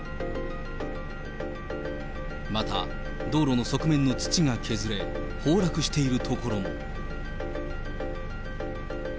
また道路の側面の土が削れ、崩落している所も。